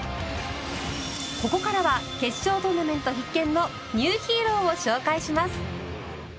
ここからは決勝トーナメント必見のニューヒーローを紹介します。